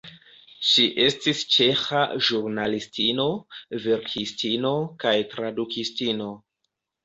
Ŝi estis ĉeĥa ĵurnalistino, verkistino kaj tradukistino.